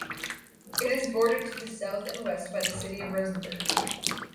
It is bordered to the south and west by the city of Rosenberg.